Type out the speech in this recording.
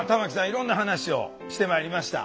いろんな話をしてまいりました。